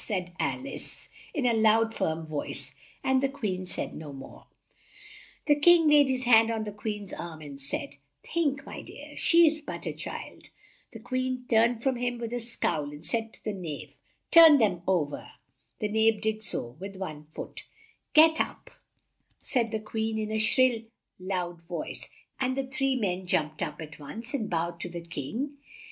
said Al ice, in a loud, firm voice, and the Queen said no more. The King laid his hand on the Queen's arm and said, "Think, my dear, she is but a child!" The Queen turned from him with a scowl and said to the Knave, "Turn them o ver!" The Knave did so, with one foot. "Get up!" said the Queen in a shrill loud voice, and the three men jumped up, at once, and bowed to the King, and Queen and to the whole crowd. "Leave off that!" screamed the Queen; "you make me gid dy."